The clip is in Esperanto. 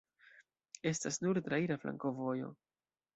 Estas nur traira flankovojo.